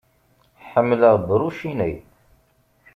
Ḥemmleɣ Brauchinet.